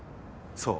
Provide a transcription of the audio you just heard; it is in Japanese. そう。